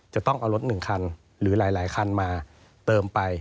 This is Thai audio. จะต้องเอารถ๑คันหรือหลายคันมาเติมไป